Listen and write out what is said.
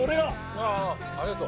ああありがとう。